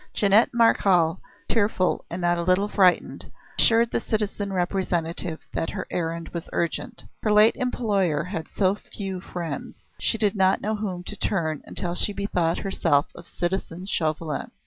Jeannette Marechal, tearful and not a little frightened, assured the citizen Representative that her errand was urgent. Her late employer had so few friends; she did not know to whom to turn until she bethought herself of citizen Chauvelin.